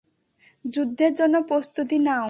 যুদ্ধের জন্য প্রস্তুতি নাও!